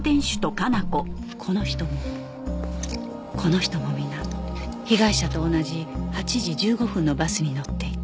この人もこの人も皆被害者と同じ８時１５分のバスに乗っていた